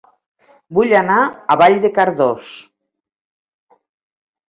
Vull anar a Vall de Cardós